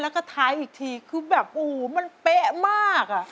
แล้วก็ท้ายอีกทีคือแบบอู๋มันเป๊ะมาก